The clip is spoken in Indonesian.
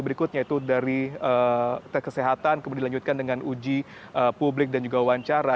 berikutnya itu dari tes kesehatan kemudian dilanjutkan dengan uji publik dan juga wawancara